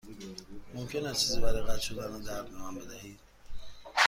ممکن است چیزی برای قطع شدن درد به من بدهید؟